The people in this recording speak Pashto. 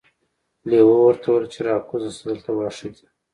لیوه ورته وویل چې راکوزه شه دلته واښه دي.